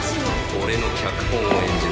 「俺の脚本を演じろ」